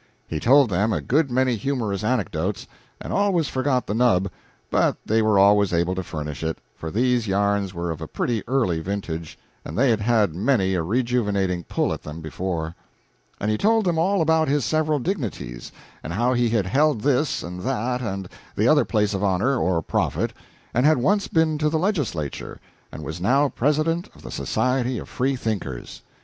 He told them a good many humorous anecdotes, and always forgot the nub, but they were always able to furnish it, for these yarns were of a pretty early vintage, and they had had many a rejuvenating pull at them before. And he told them all about his several dignities, and how he had held this and that and the other place of honor or profit, and had once been to the legislature, and was now president of the Society of Free thinkers.